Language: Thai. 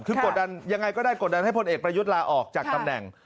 คือกดดันยังไงก็ได้กดดันให้พลเอกประยุทธ์ลาออกจากตำแหน่ง